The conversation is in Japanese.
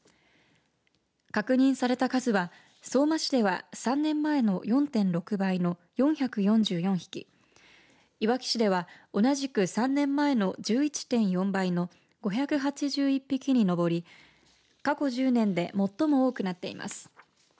確認された数は相馬市では３年毎の４．６倍の４４４匹いわき市では同じく３年前の１１．４倍の５８１匹に上り過去１０年で最も多くなっています。